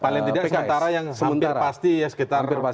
paling tidak sementara yang hampir pasti ya sekitar